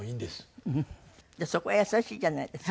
そこは優しいじゃないですか。